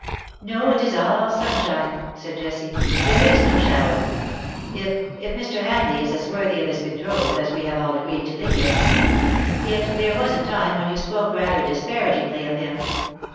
'^ No, it is all sunshine," said Jessie; " there is no shadow, if — if Mr. Hamleigh is as worthy of his betrothed as we have all agreed to think him. Yet there was a time when you spoke rather disparagingly of him."